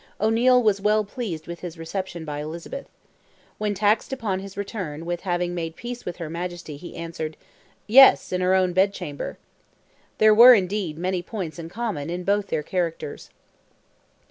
O'Neil was well pleased with his reception by Elizabeth. When taxed upon his return with having made peace with her Majesty, he answered—"Yes, in her own bed chamber." There were, indeed, many points in common in both their characters.